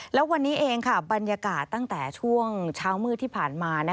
แล้ววันนี้เองบรรยากาศตั้งแต่ช่วงเช้ามืดที่ผ่านมา